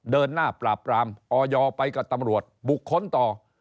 เดินหน้าปลามอยกับตำรวจบุคคลต่อ